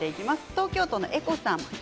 東京都の方です。